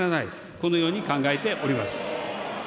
このように考えております。